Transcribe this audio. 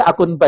di akun baik